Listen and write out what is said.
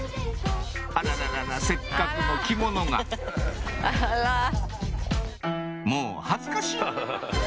あらららせっかくの着物が「もう恥ずかしい！」